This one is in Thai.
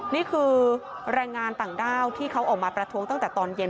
นี่คือแรงงานต่างด้าวที่เขาออกมาประท้วงตั้งแต่ตอนเย็น